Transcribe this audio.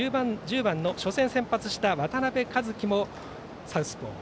１０番の初戦先発した渡部和幹もサウスポー。